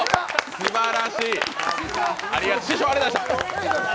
すばらしい。